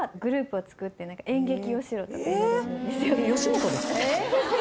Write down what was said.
昔吉本ですか？